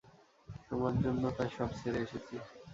তোমার জন্য তার সব ছেড়ে এসেছি।